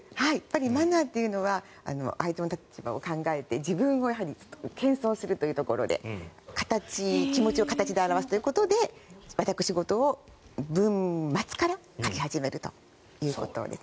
マナーというのは相手の立場を考えて自分を謙遜するというところで気持ちを形で表すということで私事を文末から書き始めるということです。